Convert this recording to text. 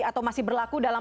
atau masih berlangganan